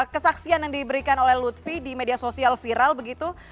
kesaksian yang diberikan oleh lutfi di media sosial viral begitu